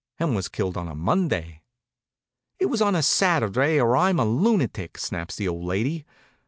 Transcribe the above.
Hen was killed on a Monday." "It was on a Saturday or I'm a lunatic," snaps the old lady.